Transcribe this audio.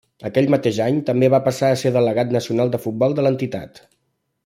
Aquell mateix any, també va passar a ser delegat nacional de futbol de l’entitat.